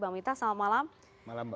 bang mita selamat malam